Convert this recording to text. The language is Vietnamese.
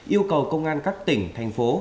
yêu cầu công an các tỉnh thành phố